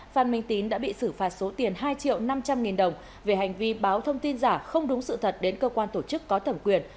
phan minh tín đã bị xử phạt số tiền hai triệu năm trăm linh nghìn đồng về hành vi báo thông tin giả không đúng sự thật đến cơ quan tổ chức có thẩm quyền